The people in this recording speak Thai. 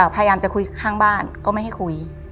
พยายามจะคุยข้างบ้านก็ไม่ให้คุย